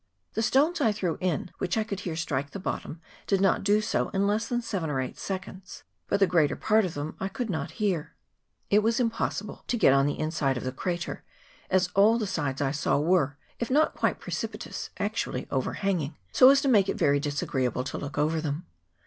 The stones I threw in, which I could hear strike the bottom, did not do so in less than seven or eight seconds, but the greater part of them I could not hear. It was impossible to get on the inside of the crater, as all the sides I VOL. i. 2 A 354 MR. BIDWILL'S ASCENT [PART n. saw were, if not quite precipitous, actually overhang ing, so as to make it very disagreeable to look over them.